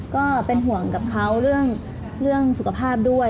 ก็เป็นห่วงกับเขาเรื่องสุขภาพด้วย